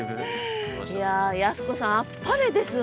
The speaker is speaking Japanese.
いや康子さんあっぱれです。